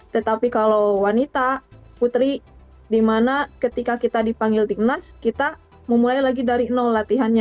tetapi kalau wanita putri dimana ketika kita dipanggil timnas kita memulai lagi dari nol latihannya